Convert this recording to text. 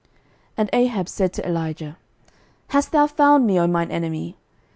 11:021:020 And Ahab said to Elijah, Hast thou found me, O mine enemy?